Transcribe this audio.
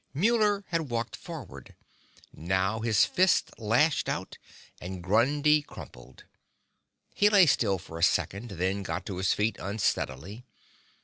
Muller had walked forward. Now his fist lashed out, and Grundy crumpled. He lay still for a second, then got to his feet unsteadily.